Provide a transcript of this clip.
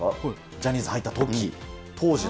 ジャニーズ入ったとき、当時の。